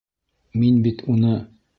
Мин бит уны!..